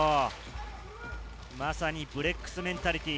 まさにブレックスメンタリティー。